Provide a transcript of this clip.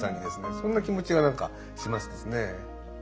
そんな気持ちが何かしましたですね。